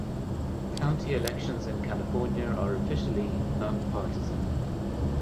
County elections in California are officially nonpartisan.